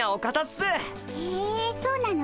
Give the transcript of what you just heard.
へえそうなの？